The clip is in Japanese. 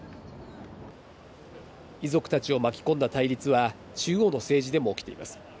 遺族たちを巻き込んだ対立は、中央の政治でも起きています。